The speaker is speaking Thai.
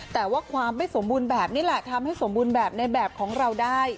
แต่ว่าความไม่สมบูรณ์แบบนี้แหละทำให้สมบูรณ์แบบในแบบของเราได้